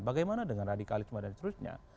bagaimana dengan radikalisme dan seterusnya